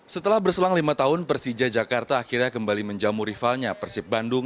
setelah berselang lima tahun persija jakarta akhirnya kembali menjamu rivalnya persib bandung